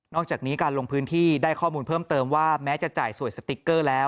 อกจากนี้การลงพื้นที่ได้ข้อมูลเพิ่มเติมว่าแม้จะจ่ายสวยสติ๊กเกอร์แล้ว